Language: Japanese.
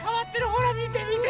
ほらみてみて。